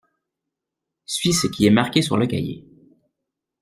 Suis ce qui est marqué sur le cahier.